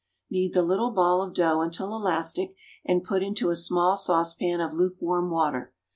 Knead the little ball of dough until elastic, and put into a small saucepan of lukewarm water.